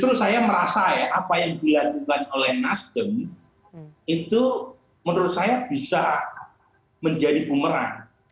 justru saya merasa ya apa yang dilakukan oleh nasdem itu menurut saya bisa menjadi bumerang